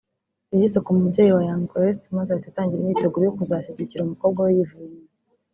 yageze ku mubyeyi wa Young Grace maze ahita atangira imyiteguro yo kuzashyigikira umukobwa we yivuye inyuma